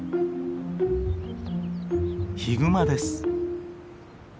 ヒグマです。